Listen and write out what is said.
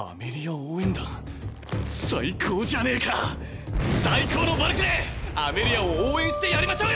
応援団最高じゃねえか最高のバルクでアメリアを応援してやりましょうよ